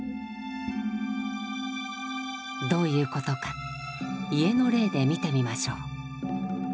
どういうことか家の例で見てみましょう。